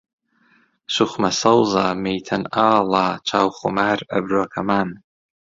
سوخمە سەوزە، مەیتەن ئاڵە، چاو خومار، ئەبرۆ کەمان